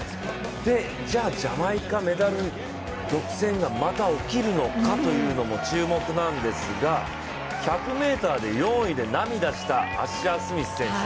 じゃあジャマイカ、メダル独占がまた起きるのかというのが注目なんですが１００ｍで４位で涙したアッシャー・スミス選手。